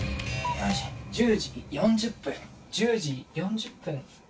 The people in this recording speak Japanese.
１０時４０分１０時４０分。